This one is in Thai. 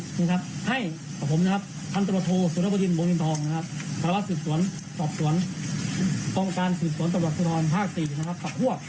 ยังมากค้นพันธุที่ต่างกล่าวทั้งต้นในพันธุที่๒๐กรกฎาคม๑๙๖๔ตัวนี้นะครับ